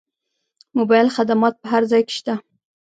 موبایل خدمات په هر ځای کې شته.